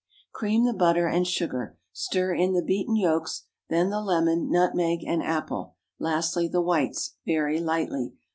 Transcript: Cream the butter and sugar, stir in the beaten yolks, then the lemon, nutmeg, and apple; lastly the whites, very lightly.